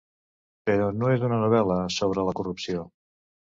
Però no és una novel·la sobre la corrupció.